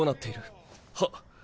はっ。